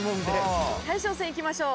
大将戦いきましょう。